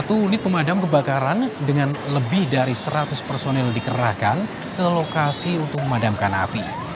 satu unit pemadam kebakaran dengan lebih dari seratus personil dikerahkan ke lokasi untuk memadamkan api